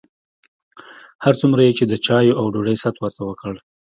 هر څومره یې چې د چایو او ډوډۍ ست ورته وکړ.